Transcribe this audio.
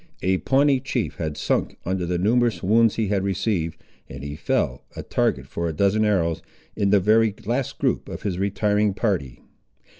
A Pawnee chief had sunk under the numerous wounds he had received, and he fell, a target for a dozen arrows, in the very last group of his retiring party.